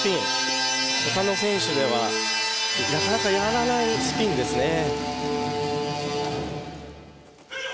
ほかの選手ではなかなかやらないスピンですね。